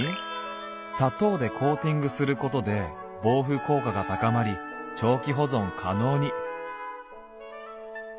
「砂糖でコーティングすることで防腐効果が高まり長期保存可能に」。